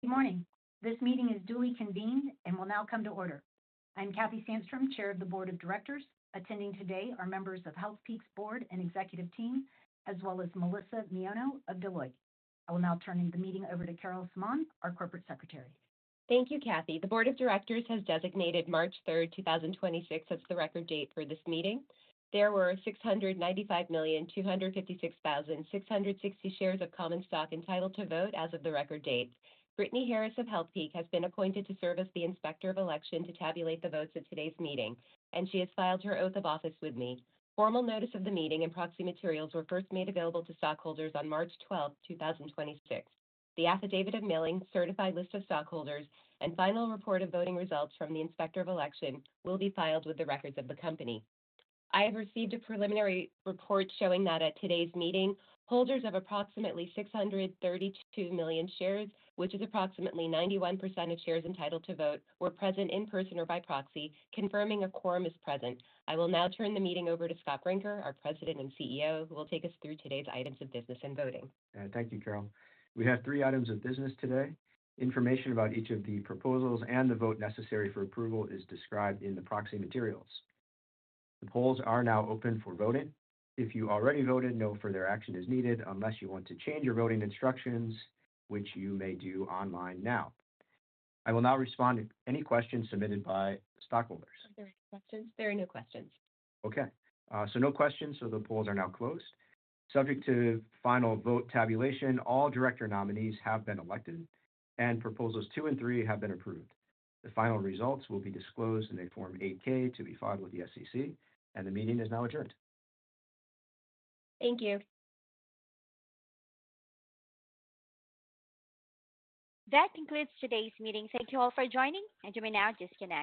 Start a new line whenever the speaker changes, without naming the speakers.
Good morning. This meeting is duly convened and will now come to order. I'm Kathy Sandstrom, chair of the board of directors. Attending today are members of Healthpeak's board and executive team, as well as Melissa Meono of Deloitte. I will now turn the meeting over to Carol Samaan, our corporate secretary.
Thank you, Kathy. The board of directors has designated March 3, 2026 as the record date for this meeting. There were 695,256,660 shares of common stock entitled to vote as of the record date. Brittany Harris of Healthpeak has been appointed to serve as the inspector of election to tabulate the votes at today's meeting, and she has filed her oath of office with me. Formal notice of the meeting and proxy materials were first made available to stockholders on March 12, 2026. The affidavit of mailing, certified list of stockholders, and final report of voting results from the inspector of election will be filed with the records of the company. I have received a preliminary report showing that at today's meeting, holders of approximately 632 million shares, which is approximately 91% of shares entitled to vote, were present in person or by proxy, confirming a quorum is present. I will now turn the meeting over to Scott Brinker, our President and CEO, who will take us through today's items of business and voting.
Thank you, Carol Samaan. We have three items of business today. Information about each of the proposals and the vote necessary for approval is described in the proxy materials. The polls are now open for voting. If you already voted, no further action is needed unless you want to change your voting instructions, which you may do online now. I will now respond to any questions submitted by stockholders.
Are there any questions? There are no questions.
No questions, the polls are now closed. Subject to final vote tabulation, all director nominees have been elected, and proposals 2 and 3 have been approved. The final results will be disclosed in a Form 8-K to be filed with the SEC, and the meeting is now adjourned.
Thank you.
That concludes today's meeting. Thank you all for joining, and you may now disconnect.